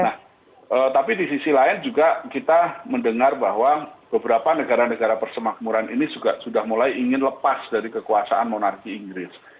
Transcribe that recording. nah tapi di sisi lain juga kita mendengar bahwa beberapa negara negara persemakmuran ini juga sudah mulai ingin lepas dari kekuasaan monarki inggris